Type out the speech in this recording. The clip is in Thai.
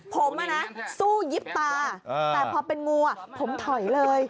ผมอ่ะนะสู้ยิบตาเออแต่พอเป็นงูอ่ะผมถอยเลย